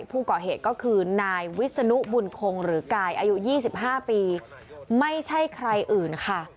ผู้ก่อเหตุก็คือนายวิศนุบุญคงหรือกายอายุ๒๕ปีไม่ใช่ใครอื่นค่ะ